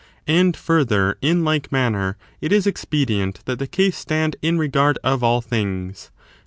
And, further, in like manner it is expedient that the case stand in regard of all things.